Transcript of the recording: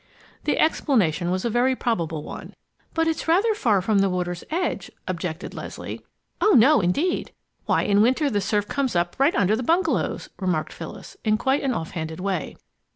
The explanation was a very probable one. "But it's rather far from the water's edge," objected Leslie. "Oh, no, indeed! Why in winter the surf often comes up right under the bungalows!" remarked Phyllis, in quite an offhanded way.